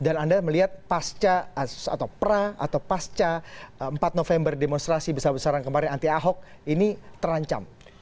dan anda melihat pasca atau pra atau pasca empat november demonstrasi besar besaran kemarin anti ahok ini terancam